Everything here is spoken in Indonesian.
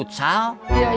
ke tempat putsal